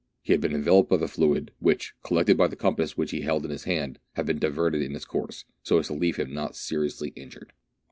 He had been enveloped by the fluid, which, collected by the compass which he held in his hand, had been diverted in its course, so as to leave him not seriously injured.